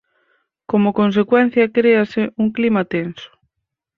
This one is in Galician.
Como consecuencia créase un clima tenso.